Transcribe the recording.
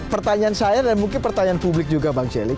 pertanyaan saya dan mungkin pertanyaan publik juga bang celik